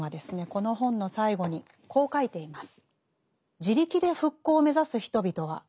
この本の最後にこう書いています。